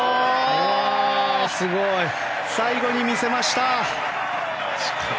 最後に見せました！